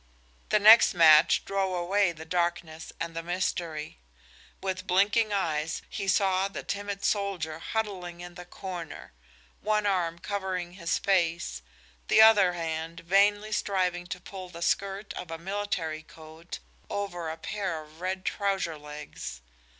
The next match drove away the darkness and the mystery. With blinking eyes he saw the timid soldier huddling in the corner, one arm covering his face, the other hand vainly striving to pull the skirt of a military coat over a pair of red trouser legs.